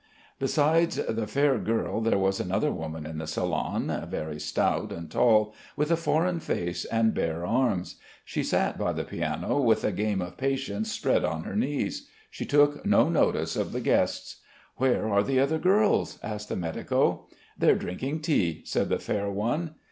Besides the fair girl there was another woman in the salon, very stout and tall, with a foreign face and bare arms. She sat by the piano, with a game of patience spread on her knees. She took no notice of the guests. "Where are the other girls?" asked the medico. "They're drinking tea," said the fair one.